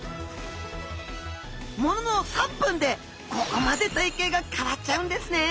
ものの３分でここまで体形が変わっちゃうんですね！